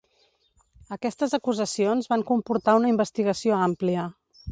Aquestes acusacions van comportar una investigació àmplia.